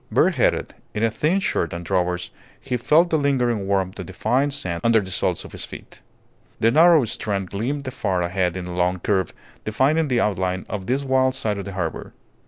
Bareheaded, in a thin shirt and drawers, he felt the lingering warmth of the fine sand under the soles of his feet. The narrow strand gleamed far ahead in a long curve, defining the outline of this wild side of the harbour.